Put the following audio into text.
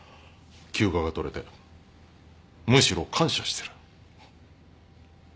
休暇が取れてむしろ感謝してる。